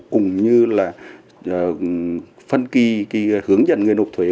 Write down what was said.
cũng như là phân kỳ hướng dẫn người nộp thuế